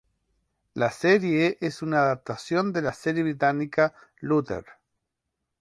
La serie es una adaptación de la serie británica "Luther".